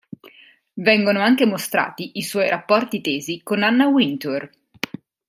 Vengono anche mostrati i suoi rapporti tesi con Anna Wintour.